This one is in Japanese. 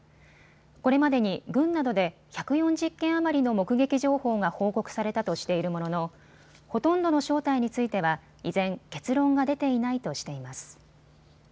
これまでに軍などで１４０件余りの目撃情報が報告されたとしているもののほとんどの正体については依然、結論が出ていないとしています。